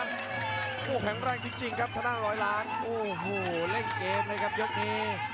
รุ่นแผ่งแรงจริงครับถนัดรอยล้านโอ้โฮเล่นเกมนะครับยกนี้